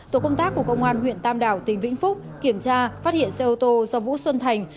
tổ công tác của công an huyện tam đảo tỉnh vĩnh phúc kiểm tra phát hiện xe ô tô do vũ xuân thành